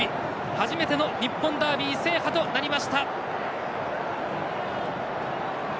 初めての日本ダービー制覇となりました。